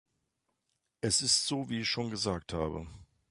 Es ist so, wie ich schon gesagt habe.